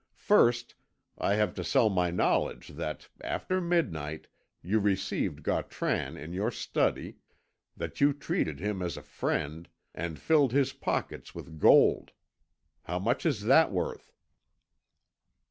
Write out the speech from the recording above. First I have to sell my knowledge that, after midnight, you received Gautran in your study, that you treated him as a friend, and filled his pockets with gold. How much is that worth?"